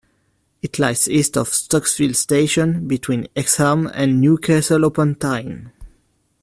It lies east of Stocksfield Station, between Hexham and Newcastle upon Tyne.